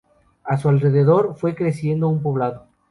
A su alrededor fue creciendo un poblado.